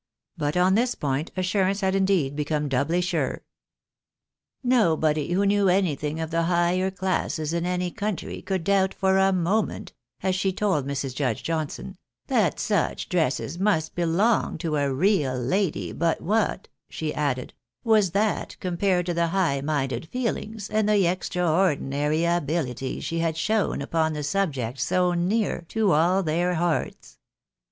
But on this point assurance had indeed become doubly sure. " Nobody who knew anything of the higher classes in any country could doubt for a moment (as she told Mrs. Judge John son) that such dresses must belong to a real lady, but what," she added, " was tliat compared to the high minded feehngs, and the extraordinary abilities she had shown upon the subject so near to all their hearts